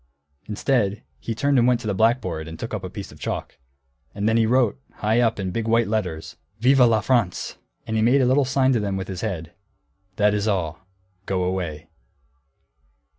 Instead he turned and went to the blackboard and took up a piece of chalk. And then he wrote, high up, in big white letters, "Vive la France!" And he made a little sign to them with his head, "That is all; go away."